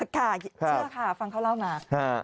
ค่ะเชื่อค่ะฟังเขาเล่ามา